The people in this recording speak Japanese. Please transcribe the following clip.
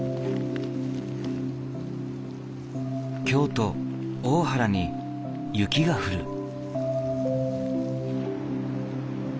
京都・大原に雪が降る。